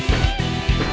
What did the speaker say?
saya yang menang